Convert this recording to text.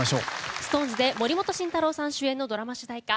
ＳｉｘＴＯＮＥＳで森本慎太郎さん主演のドラマ主題歌